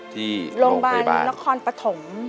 ที่โรงพยาบาลนครปฐม